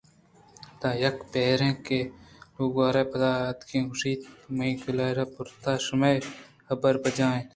پدا یک پیریں کہ کائیگر ئِے پاد اتک ءُ گوٛشت ئے منی کائیگریں برٛاتاں شُمئے حبر بجا اَنت